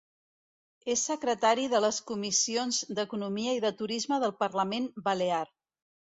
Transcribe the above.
És secretari de les comissions d'economia i de turisme del Parlament Balear.